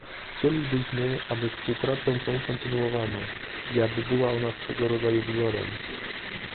Chcielibyśmy, aby współpracę tę kontynuowano i aby była ona swego rodzaju wzorem